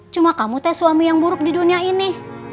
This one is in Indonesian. cuma kamu teh suami yang buruk di dunia ini